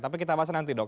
tapi kita bahas nanti dok